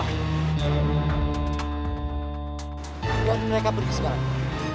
tidak ada yang berani mereka pergi sekarang